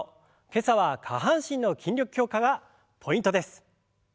今朝は下半身の筋力強化がポイントです。